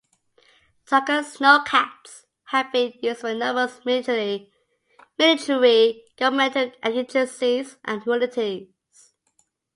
Tucker Sno-Cats have been used by numerous military, governmental agencies and utilities.